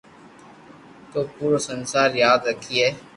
ڪو پورو سنسار ياد رکئي